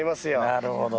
なるほど。